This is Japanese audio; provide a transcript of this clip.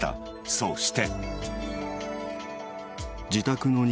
そして。